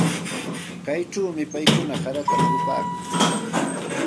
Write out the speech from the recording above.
Kaychawmi paykuna harata murupaakun.